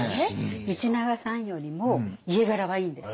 道長さんよりも家柄はいいんですよ。